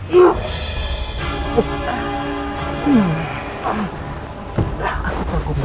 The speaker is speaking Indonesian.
aku mahu perhatianmu